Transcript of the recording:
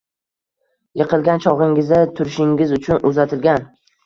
Yiqilgan chogʻingizda turishingiz uchun uzatilgan